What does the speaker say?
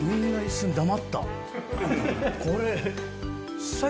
これ。